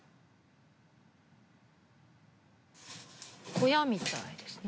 小屋みたいですね。